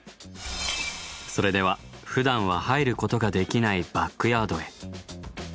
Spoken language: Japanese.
それではふだんは入ることができないバックヤードへ。